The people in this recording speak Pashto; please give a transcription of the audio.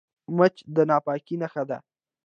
مچ د ناپاکۍ نښه ده